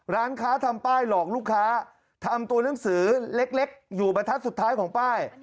ร้านค้าทำป้ายหลอกลูกค้าทำตัวหนังสือเล็กอยู่บรรทัศน์สุดท้ายของป้าย